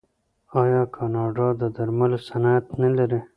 آیا کاناډا د درملو صنعت نلري؟